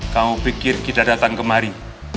kau pikir kita datang kemari